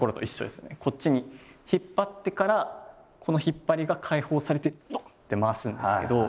こっちに引っ張ってからこの引っ張りが解放されてドン！って回すんですけど。